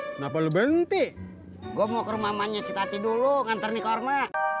kenapa lu bentik gua mau ke rumahnya si tati dulu nganter nih karma